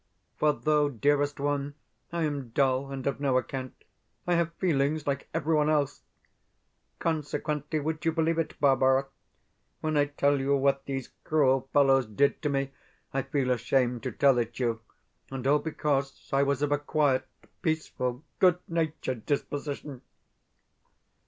For though, dearest one, I am dull and of no account, I have feelings like everyone else. Consequently, would you believe it, Barbara, when I tell you what these cruel fellows did to me? I feel ashamed to tell it you and all because I was of a quiet, peaceful, good natured disposition!